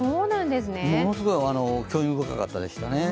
ものすごい興味深かったですね。